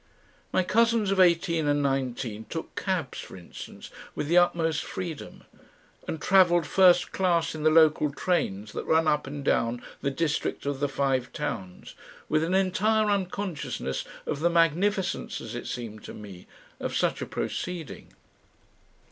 My cousins of eighteen and nineteen took cabs, for instance, with the utmost freedom, and travelled first class in the local trains that run up and down the district of the Five Towns with an entire unconsciousness of the magnificence, as it seemed to me, of such a proceeding.